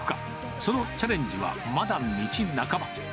そのチャレンジはまだ道半ば。